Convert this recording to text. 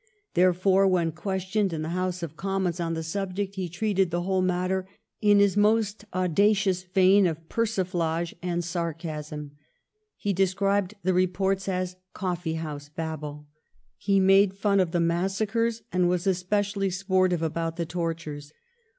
Therefore, when questioned in the House of Com mons on the subject, he treated the whole matter in his most audacious vein of persiflage and sar casm. He described the reports as "coffee house babble." He made fun of the massacres, and was especially sportive about the tortures.